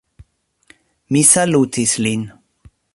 Mi salutis lin.